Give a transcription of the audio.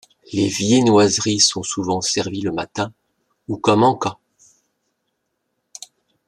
Les viennoiseries sont souvent servies le matin ou comme en-cas.